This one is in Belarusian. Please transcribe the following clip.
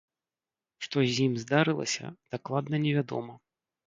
Што з ім здарылася, дакладна невядома.